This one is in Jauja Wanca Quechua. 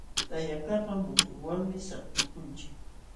Tayakaqpa muhunwanmi sampikunchik.